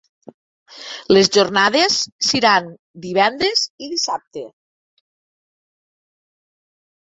Les jornades seran divendres i dissabte.